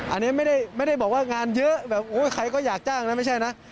อันนี้ไม่ได้บอกว่างานเยอะแบบโอ้ยใครก็อยากจ้างนะไม่ใช่นะ